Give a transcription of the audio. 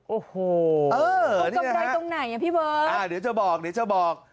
โอ้โหกำไรตรงไหนอ่ะพี่เบิร์ตอ่าเดี๋ยวจะบอกเดี๋ยวจะบอก